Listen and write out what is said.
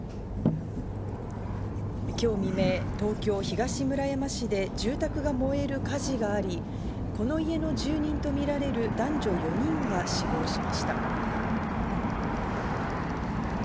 今日未明、東京・東村山市で住宅が燃える火事があり、この家の住民とみられる男女４人が死亡しました。